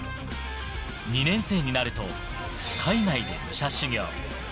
２年生になると海外で武者修行。